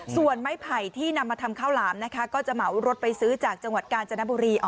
ส่วนไม้ไผ่ที่นำมาทำข้าวหลามนะคะก็จะเหมารถไปซื้อจากจังหวัดกาญจนบุรี